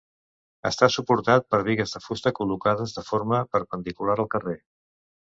Està suportat per bigues de fusta col·locades de forma perpendicular al carrer.